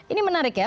ini menarik ya